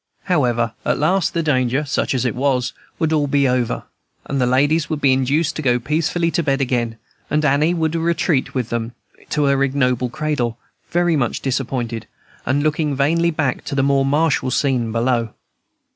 However, at last the danger, such as it was, would be all over, and the ladies would be induced to go peacefully to bed again; and Annie would retreat with them to her ignoble cradle, very much disappointed, and looking vainly back at the more martial scene below.